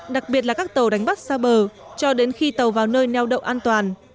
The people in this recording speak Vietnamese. đặc biệt là các tàu đánh bắt xa bờ cho đến khi tàu vào nơi neo đậu an toàn